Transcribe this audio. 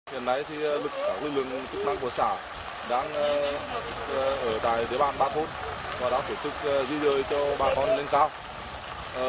hiện nay thì lực lượng chức năng của xã đang ở tại địa bàn ba thôn và đã tổ chức di dời cho bà con lên cao